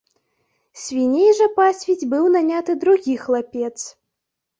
Свіней жа пасвіць быў наняты другі хлапец.